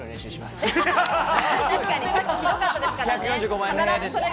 さっき、ひどかったですからね。